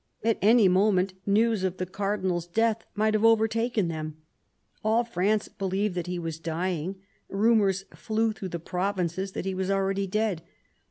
At any moment news of the Cardinal's death might have overtaken them. All France believed that he was dying; rumours flew through the provinces that he was already dead.